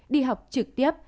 đi học trực tiếp